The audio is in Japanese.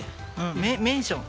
メメンション？